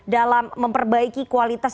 dalam memperbaiki kualitas